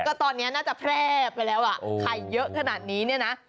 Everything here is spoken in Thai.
ก็ตอนนี้น่าจะแพร่ไปแล้วอ่ะไข่เยอะขนาดนี้เนี่ยนะ